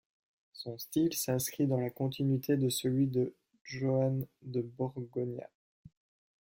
Son style s'inscrit dans la continuité de celui de Joan de Borgonya.